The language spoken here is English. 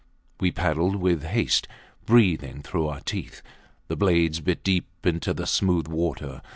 We paddled with haste, breathing through our teeth. The blades bit deep into the smooth water.